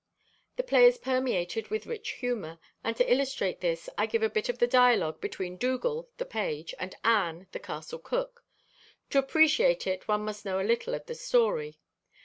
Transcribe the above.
The play is permeated with rich humor, and to illustrate this I give a bit of the dialogue between Dougal, the page, and Anne, the castle cook. To appreciate it one must know a little of the story.